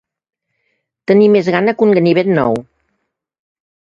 Tenir més gana que un ganivet nou.